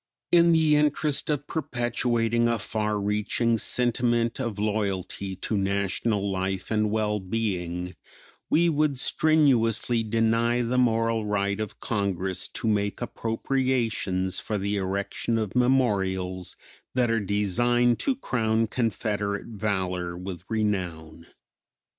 In the interest of perpetuating a far reaching sentiment of loyalty to national life and well being we would strenuously deny the moral right of Congress to make appropriations for the erection of memorials that are designed to crown Confederate valor with renown.